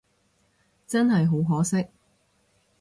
真係好可惜